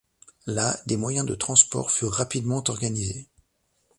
Là, des moyens de transport furent rapidement organisés.